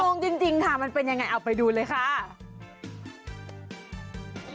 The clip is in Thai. งงจริงค่ะมันเป็นยังไงเอาไปดูเลยค่ะ